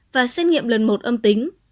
và xét nghiệm lần một âm tính